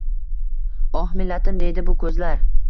Oh, millatim, deydi bu koʻzlar.